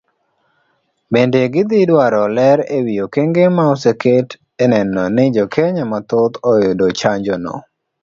Bende gidhi dwaro ler ewi okenge ma oseket eneno ni jokenya mathoth oyudo chanjono.